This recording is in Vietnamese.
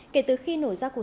kể từ khi nổ ra cuộc xung quanh